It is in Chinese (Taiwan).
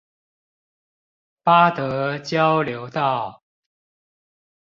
八德交流道